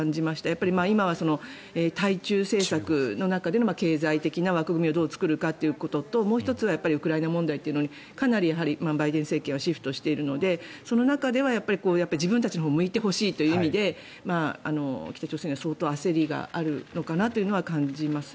やっぱり今は対中政策の中での経済的な枠組みをどう作るかというのともう１つはウクライナ問題とかなりバイデン政権はシフトしているのでその中では自分たちのほうを向いてほしいという意味で北朝鮮が相当焦りがあるのかなというのは感じます。